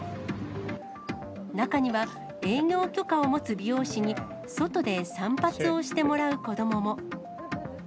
中には営業許可を持つ美容師に、外で散髪をしてもらう子どもも。